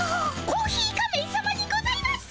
コーヒー仮面さまにございます！